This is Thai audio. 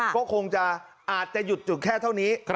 ก็คงจะอาจจะหยุดจุดแค่เท่านี้